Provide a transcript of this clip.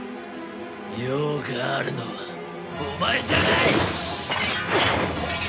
用があるのはお前じゃない！